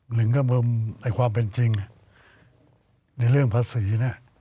หนึ่งก็ความเป็นจริงในเรื่องภาษี